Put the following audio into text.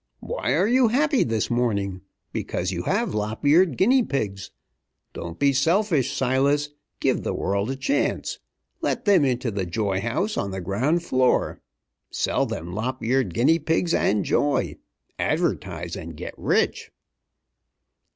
Why are you happy this morning? Because you have lop eared guinea pigs! Don't be selfish, Silas give the world a chance. Let them into the joy house on the ground floor. Sell them lop eared guinea pigs and joy. Advertise, and get rich!"